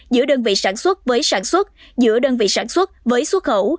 giữa đơn vị sản xuất với sản xuất giữa đơn vị sản xuất với xuất khẩu